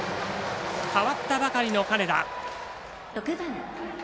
代わったばかりの金田。